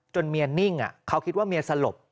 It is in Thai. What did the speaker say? เมียนิ่งเขาคิดว่าเมียสลบ